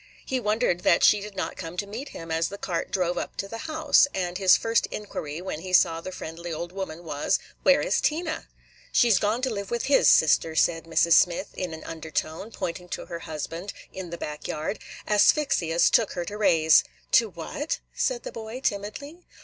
He wondered that she did not come to meet him as the cart drove up to the house, and his first inquiry, when he saw the friendly old woman, was "Where is Tina?" "She 's gone to live with his sister," said Mrs. Smith, in an undertone, pointing to her husband in the back yard. "Asphyxia 's took her to raise." "To what?" said the boy, timidly.